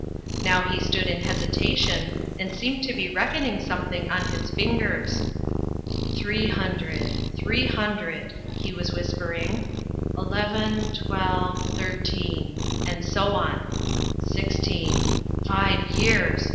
Now he stood in hesitation and seemed to be reckoning something on his fingers. " Three hundred ... three hundred," he was whispering. " Eleven ... twelve ... thirteen," and so on. " Sixteen five years